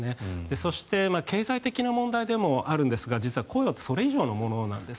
そして経済的な問題でもあるんですが実は雇用ってそれ以上でもあるんです。